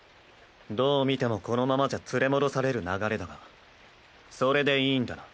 どう見てもこのままじゃ連れ戻される流れだがそれでいいんだな？